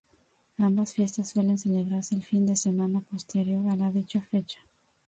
Ambas fiestas suelen celebrarse el fin de semana posterior a dicha fecha.